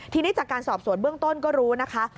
ทีนี้จากการสอบสวนเบื้องต้นก็รู้นะคะ